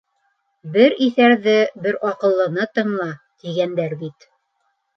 Бер иҫәрҙе, бер аҡыллыны тыңла, тигәндәр бит.